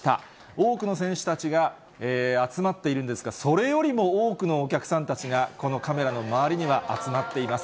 多くの選手たちが集まっているんですが、それよりも多くのお客さんたちが、このカメラの周りには集まっています。